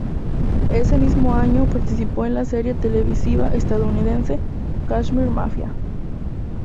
Ese mismo año participó en la serie televisiva estadounidense "Cashmere Mafia".